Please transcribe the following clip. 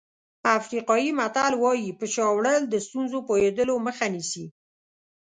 افریقایي متل وایي په شا وړل د ستونزو پوهېدلو مخه نیسي.